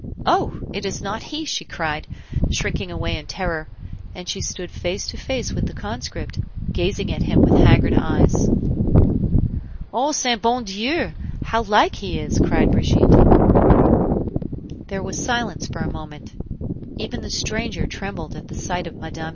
"Oh! it is not he!" she cried, shrinking away in terror, and she stood face to face with the conscript, gazing at him with haggard eyes. "O saint bon Dieu! how like he is!" cried Brigitte. There was silence for a moment; even the stranger trembled at the sight of Mme.